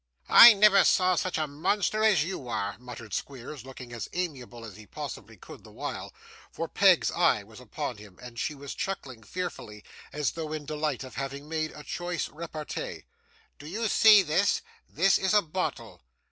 'I never saw such a monster as you are!' muttered Squeers, looking as amiable as he possibly could the while; for Peg's eye was upon him, and she was chuckling fearfully, as though in delight at having made a choice repartee, 'Do you see this? This is a bottle.